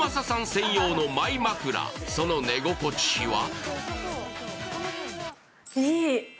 専用のマイ枕、その寝心地は？